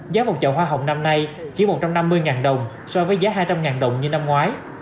giá một chậu hoa hồng năm nay chỉ một trăm năm mươi đồng so với giá hai trăm linh đồng như năm ngoái